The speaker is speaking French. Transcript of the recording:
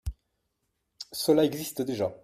Cela existe déjà